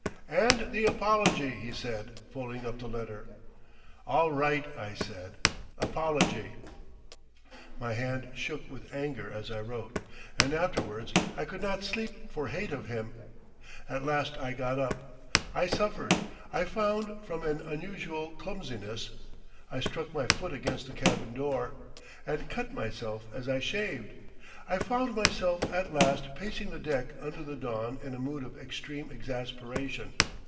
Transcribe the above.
"And the apology," he said, folding up the letter. "All right," I said; "Apology." My hand shook with anger as I wrote, and afterwards I could not sleep for hate of him. At last I got up. I suffered, I found, from an unusual clumsiness. I struck my toe against my cabin door, and cut myself as I shaved. I found myself at last pacing the deck under the dawn in a mood of extreme exasperation.